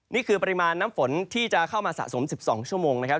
นี่คือปริมาณน้ำฝนที่จะเข้ามาสะสม๑๒ชั่วโมงนะครับ